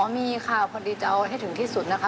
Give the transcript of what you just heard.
มีค่ะพอดีจะเอาให้ถึงที่สุดนะคะ